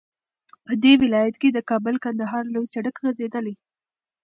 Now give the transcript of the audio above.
په دې ولايت كې د كابل- كندهار لوى سړك غځېدلى